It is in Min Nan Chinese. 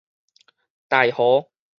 大和